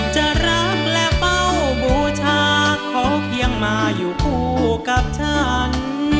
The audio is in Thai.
จะรักและเป้าบูชาขอเพียงมาอยู่คู่กับฉัน